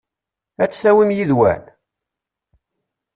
Ad t-tawim yid-wen?